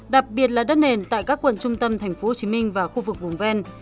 đặc biệt là đất nền tại các quận trung tâm tp hcm và khu vực vùng ven